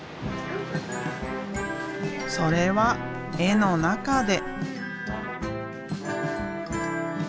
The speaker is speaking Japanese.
それは絵の中で。